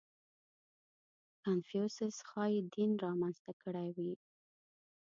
• کنفوسیوس ښایي دین را منځته کړی وي.